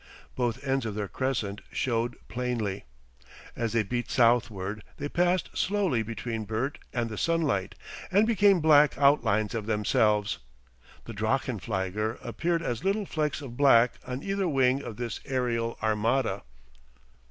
Both ends of their crescent showed plainly. As they beat southward they passed slowly between Bert and the sunlight, and became black outlines of themselves. The drachenflieger appeared as little flecks of black on either wing of this aerial Armada.